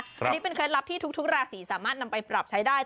อันนี้เป็นเคล็ดลับที่ทุกราศีสามารถนำไปปรับใช้ได้